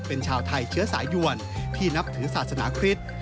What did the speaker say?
เป็นชาวไทยเชื้อสายยวนที่นับถือศาสนาคริสต์